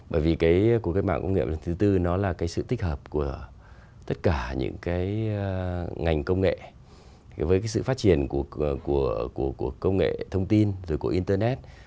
bởi vì cái cuộc cách mạng công nghệ bốn là cái sự tích hợp của tất cả những cái ngành công nghệ với cái sự phát triển của công nghệ thông tin rồi của internet